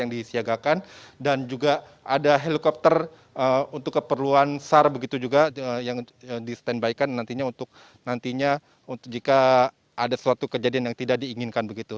dan juga ada helikopter untuk keperluan sar yang disetandbaikan nantinya jika ada suatu kejadian yang tidak diinginkan